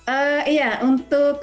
ehh iya untuk